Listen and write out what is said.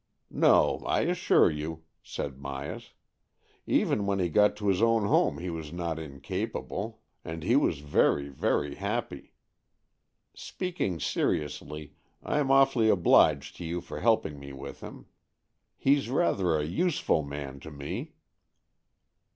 " No, I assure you," said Myas. " Even when he got to his own home he was not in capable, and he was very, very happy. Speaking seriously, Fm awfully obliged to you for helping me with him. He's rather a useful man to me."